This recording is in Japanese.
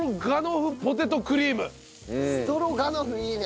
ストロガノフいいね！